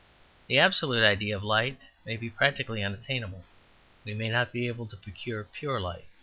The absolute idea of light may be practically unattainable. We may not be able to procure pure light.